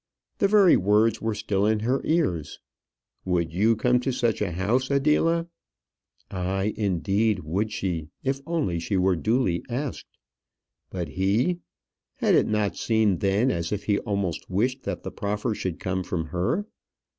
The very words were still in her ears. "Would you come to such a house, Adela?" Ay, indeed, would she if only she were duly asked. But he ! Had it not seemed then as if he almost wished that the proffer should come from her?